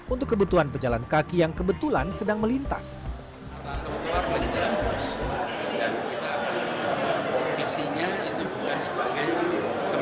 untuk kebutuhan pejalan kaki yang kebetulan sedang melintas